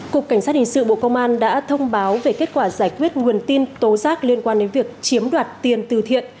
cục cảnh sát hình sự bộ công an đã thông báo về kết quả giải quyết nguồn tin tố giác liên quan đến việc chiếm đoạt tiền từ thiện